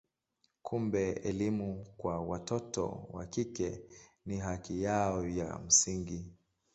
Kumbe elimu kwa watoto wa kike ni haki yao ya msingi.